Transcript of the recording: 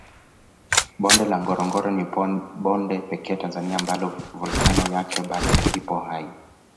Bonde la Ngorongoro ni bonde pekee Tanzania ambalo volkano yake bado ipo hai